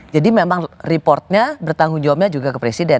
jadi memang reportnya bertanggung jawabnya juga ke presiden